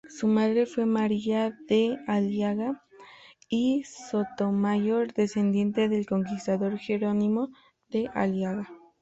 Su madre fue María de Aliaga y Sotomayor, descendiente del conquistador Jerónimo de Aliaga.